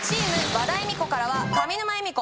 和田恵美子からは上沼恵美子